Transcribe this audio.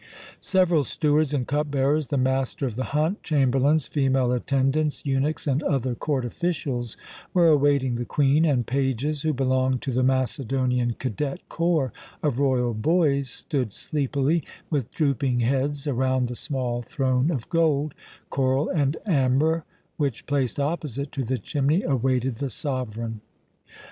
Several stewards and cup bearers, the master of the hunt, chamberlains, female attendants, eunuchs, and other court officials were awaiting the Queen, and pages who belonged to the Macedonian cadet corps of royal boys stood sleepily, with drooping heads, around the small throne of gold, coral, and amber which, placed opposite to the chimney, awaited the sovereign.